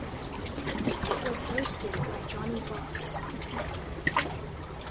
It was hosted by Jonny Voss.